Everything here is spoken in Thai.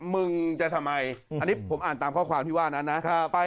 มึงจะทำไมอันนี้ผมอ่านตามข้อความที่ว่านั้นนะ